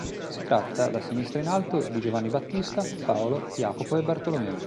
Si tratta, da sinistra in alto, di Giovanni Battista, Paolo, Jacopo e Bartolomeo.